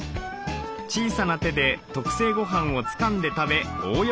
小さな手で特製ごはんをつかんで食べ大喜び。